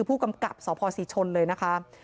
ภูรค์กำกับสศิษย์ชนเลยแล้ว